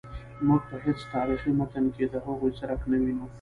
موږ په هیڅ تاریخي متن کې د هغوی څرک نه وینو.